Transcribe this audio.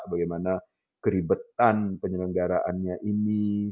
bagaimana keribetan penyelenggaraannya ini